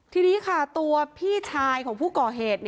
ทีนี้ค่ะตัวพี่ชายของผู้ก่อเหตุ